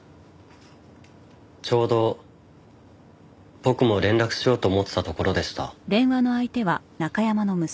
ちょうど僕も連絡しようと思ってたところでした。